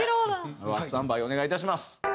ではスタンバイお願いいたします。